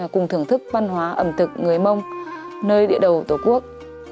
cùng thưởng thức văn hóa ẩm thực người mông nơi địa đầu tổ quốc